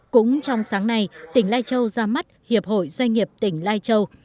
cũng trong sáng nay tỉnh lai châu ra mắt hiệp hội doanh nghiệp tỉnh lai châu